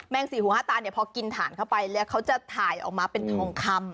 สี่หูห้าตาเนี่ยพอกินถ่านเข้าไปแล้วเขาจะถ่ายออกมาเป็นทองคำ